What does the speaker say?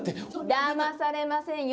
だまされませんよ。